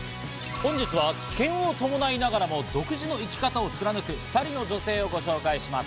本日は危険を伴いながらも、独自の生き方を貫く２人の女性をご紹介します。